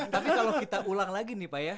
tapi kalau kita ulang lagi nih pak ya